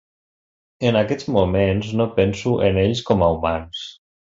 En aquests moments, no penso en ells com a humans.